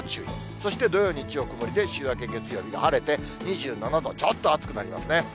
そして、土曜、日曜曇りで、週明け月曜日も晴れて、２７度、ちょっと暑くなりますね。